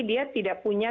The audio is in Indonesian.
dia tidak punya